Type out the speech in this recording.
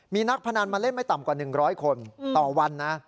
มีนักพนันมาเล่นไม่ต่ำกว่า๑๐๐คนต่อวันนะ